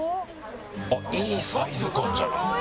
あっいいサイズ感じゃない。